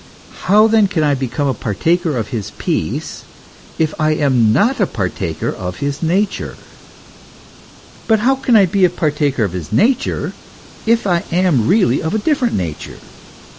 How then can I become a partaker of his peace, if I am not a partaker of his nature; but how can I be a partaker of his nature if I am really of a dif ferent nature